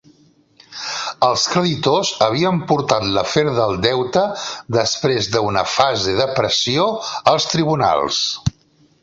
Els creditors havien portat l'afer del deute, després d'una fase de pressió, als tribunals.